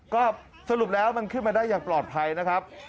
ก็สรุปแล้วมันขึ้นมาได้อย่างปลอดภัยนะครับ